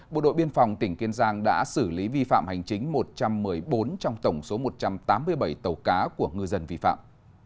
bộ đội biên phòng tỉnh kiên giang đã xử lý vi phạm hành chính một trăm một mươi bốn trong tổng số một trăm tám mươi bảy tàu cá của ngư dân vi phạm